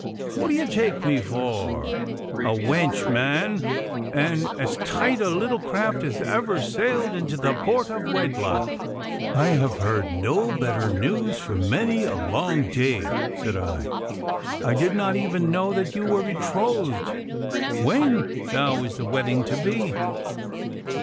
what d'ye take me for? A wench, man, and as tight a little craft as ever sailed into the port of wedlock.' 'I have heard no better news for many a long day,' said I; 'I did not even know that you were betrothed. When thou is the wedding to be?